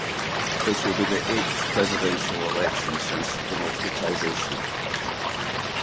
It will be the eighth presidential election since democratization.